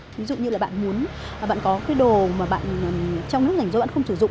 ví dụ như là bạn muốn bạn có cái đồ mà bạn trong nước rảnh rỗ bạn không sử dụng